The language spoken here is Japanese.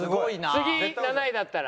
次７位だったら。